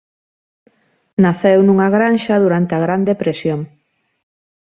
Naceu nunha granxa durante a Gran Depresión.